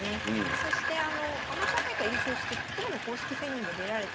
そしてあのアマチュア大会優勝してプロの公式戦にも出られてたりするので。